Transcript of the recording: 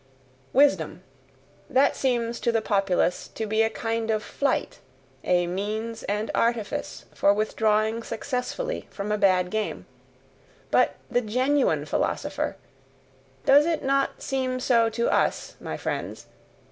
Wisdom: that seems to the populace to be a kind of flight, a means and artifice for withdrawing successfully from a bad game; but the GENUINE philosopher does it not seem so to US, my friends?